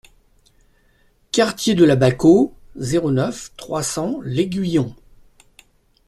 Quartier de la Baquo, zéro neuf, trois cents L'Aiguillon